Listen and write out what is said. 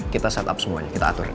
kita set up semuanya kita atur